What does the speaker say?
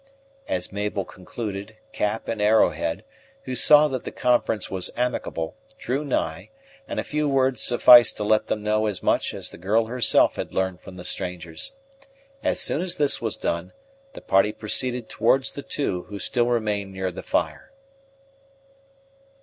As Mabel concluded, Cap and Arrowhead, who saw that the conference was amicable, drew nigh; and a few words sufficed to let them know as much as the girl herself had learned from the strangers. As soon as this was done, the party proceeded towards the two who still remained near the fire.